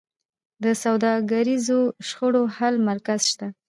د سوداګریزو شخړو حل مرکز شته؟